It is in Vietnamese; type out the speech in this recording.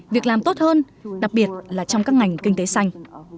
việc làm tốt hơn đặc biệt là trong các ngành kinh tế xanh